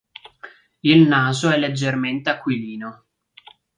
Il naso è leggermente aquilino.